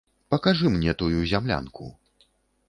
Пакажы мне тую зямлянку.